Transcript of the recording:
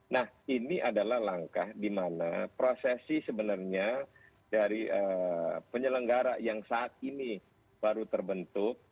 nah ini adalah langkah di mana prosesi sebenarnya dari penyelenggara yang saat ini baru terbentuk